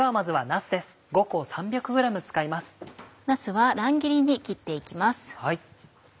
なすは乱切りに切って行きます。